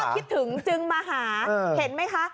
คิดถึงจึงมาหาเห็นไหมคะ